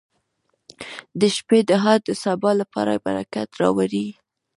• د شپې دعا د سبا لپاره برکت راوړي.